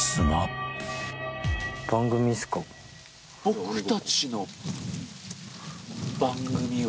僕たちの番組は。